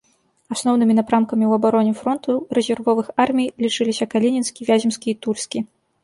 Асноўнымі напрамкамі ў абароне фронту рэзервовых армій лічыліся калінінскі, вяземскі і тульскі.